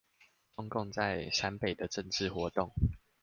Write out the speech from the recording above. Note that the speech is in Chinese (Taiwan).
中共在陝北的政治活動